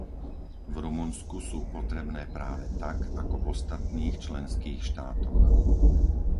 V Rumunsku sú potrebné práve tak, ako v ostatných členských štátoch.